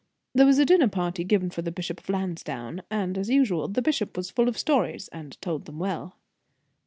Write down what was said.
There was a dinner party given for the Bishop of Lansdown, and, as usual, the bishop was full of stories, and told them well.